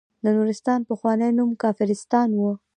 د نورستان پخوانی نوم کافرستان و.